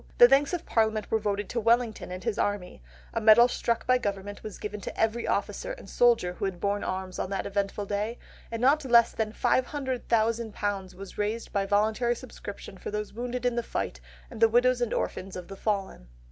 The thanks of Parliament were voted to Wellington and his army; a medal struck by government was given to every officer and soldier who had borne arms on that eventful day; and not less than £500,000 was raised by voluntary subscriptions for those wounded in the fight, and the widows and orphans of the fallen."